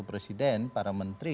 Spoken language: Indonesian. presiden para menteri